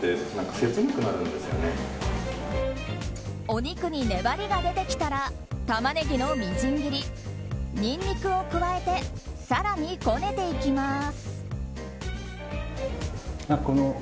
お肉に粘りが出てきたらタマネギのみじん切りニンニクを加えて更にこねていきます。